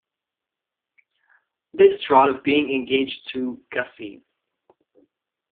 This rot of being engaged to Gussie.